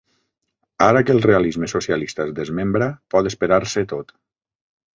Ara que el realisme socialista es desmembra, pot esperar-se tot.